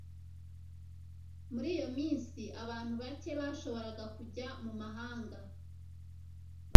muri iyo minsi, abantu bake bashoboraga kujya mu mahanga